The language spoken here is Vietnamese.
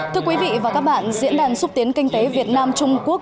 thưa quý vị và các bạn diễn đàn xúc tiến kinh tế việt nam trung quốc